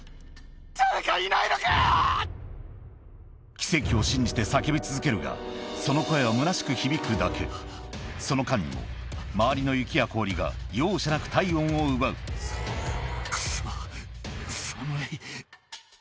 奇跡を信じて叫び続けるがその声はむなしく響くだけその間にも周りの雪や氷が容赦なく体温を奪うクソ。